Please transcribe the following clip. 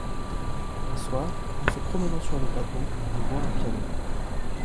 Un soir, en se promenant sur le bateau, il voit un piano.